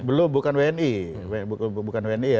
belum bukan wni